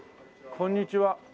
こんにちは。